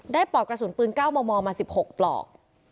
ปลอกกระสุนปืน๙มมมา๑๖ปลอก